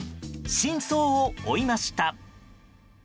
真相を追いました。